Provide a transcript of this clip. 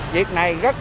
việc này rất là